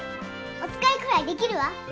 おつかいくらいできるわ。